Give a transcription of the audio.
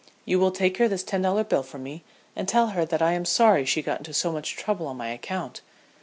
You will take her this ten dollar bill from me, and tell her that I am sorry she got into so much trouble on my account.